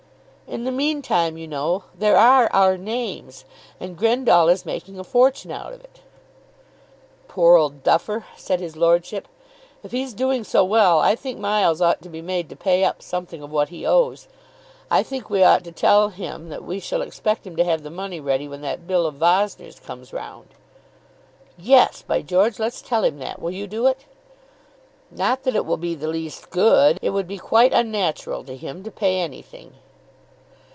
"In the meantime, you know, there are our names. And Grendall is making a fortune out of it." "Poor old duffer," said his lordship. "If he's doing so well, I think Miles ought to be made to pay up something of what he owes. I think we ought to tell him that we shall expect him to have the money ready when that bill of Vossner's comes round." "Yes, by George; let's tell him that. Will you do it?" "Not that it will be the least good. It would be quite unnatural to him to pay anything."